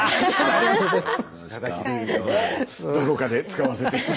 ありがとうございます。